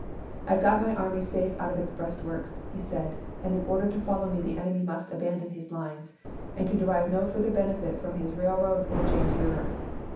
" I have got my army safe out of its breastworks," he said, " and in order to follow me the enemy must abandon his lines, and can J''<Li£°o?e' derive no further benefit from his railroads or 'p.'45ie ' James River."